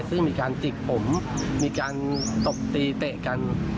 ซึ่งมีการจิกผมมีการตบตีเตะกัน